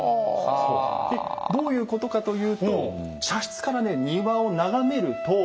でどういうことかというと茶室からね庭を眺めると。